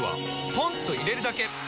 ポンと入れるだけ！